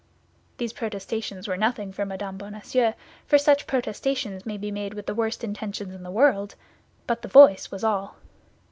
These protestations were nothing for Mme. Bonacieux, for such protestations may be made with the worst intentions in the world; but the voice was all.